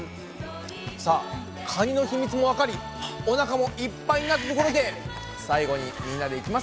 さあカニの秘密もわかりおなかもいっぱいになったところで最後にみんなでいきますか！